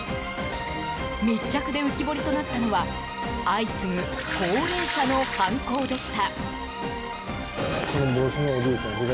密着で浮き彫りとなったのは相次ぐ高齢者の犯行でした。